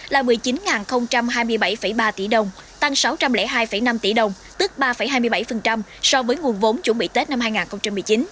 là một mươi chín hai mươi bảy ba tỷ đồng tăng sáu trăm linh hai năm tỷ đồng tức ba hai mươi bảy so với nguồn vốn chuẩn bị tết năm hai nghìn một mươi chín